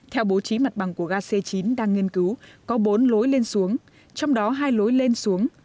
theo bố trí mặt bằng của ga c chín đang nghiên cứu có bốn lối lên xuống trong đó hai lối lên xuống